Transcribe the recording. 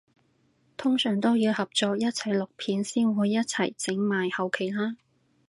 通常都要合作一齊錄片先會一齊整埋後期啦？